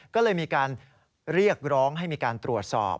ก็เลยมีการเรียกร้องให้มีการตรวจสอบ